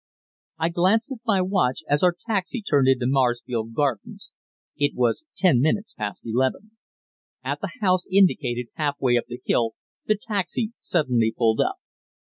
I glanced at my watch as our taxi turned into Maresfield Gardens. It was ten minutes past eleven. At the house indicated half way up the hill the taxi suddenly pulled up.